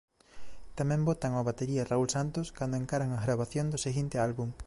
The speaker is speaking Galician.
Tamén botan ó batería Raúl Santos cando encaran a gravación do seguinte álbum.